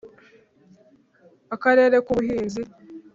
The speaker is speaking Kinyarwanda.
Akarere k Ubuhinzi